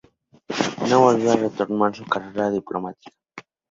No volvió a retomar su carrera diplomática.